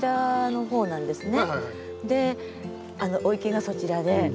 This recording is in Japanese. であのお池がそちらで。